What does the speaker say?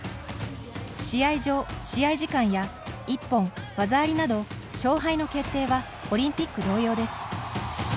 試合場、試合時間や「１本」「技あり」など勝敗の決定はオリンピック同様です。